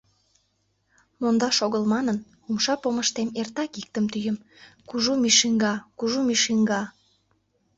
Мондаш огыл манын, умша помыштем эртак иктым тӱем: «Кужу Мишиҥга, Кужу Мишиҥга!..»